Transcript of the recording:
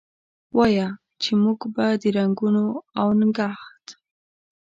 وایه! چې موږ به د رنګونو اونګهت،